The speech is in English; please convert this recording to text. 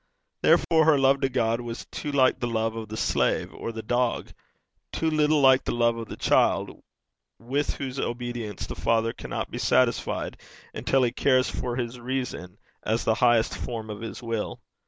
Therefore her love to God was too like the love of the slave or the dog; too little like the love of the child, with whose obedience the Father cannot be satisfied until he cares for his reason as the highest form of his will.